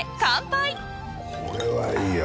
これはいいや。